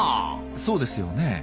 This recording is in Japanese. そうですよね。